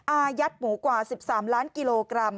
อายัดหมูกว่า๑๓ล้านกิโลกรัม